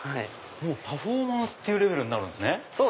もうパフォーマンスっていうレベルになるんですね。